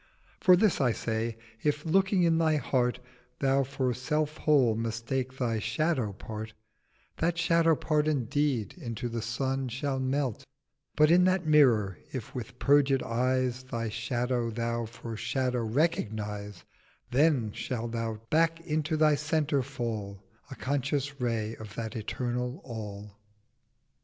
For this I say: if, looking in thy Heart, Thou for Self whole mistake thy Shadow part, That Shadow part indeed into The Sun 620 Shall melt, but senseless of its Union: But in that Mirror if with purged eyes Thy Shadow Thou for Shadow recognise, Then shalt Thou back into thy Centre fall A conscious Ray of that eternal All.'